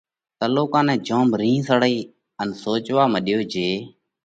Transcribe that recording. تلُوڪا نئہ جوم رِينه سڙئِي ان سوچوا مڏيو جي